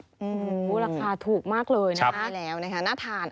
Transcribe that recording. อื้อหูราคาถูกมากเลยนะครับใช่แล้วนะครับน่าทาน